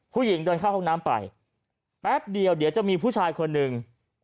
ผู้หญิงเดินเข้าห้องน้ำไปแป๊บเดียวเดี๋ยวจะมีผู้ชายคนหนึ่ง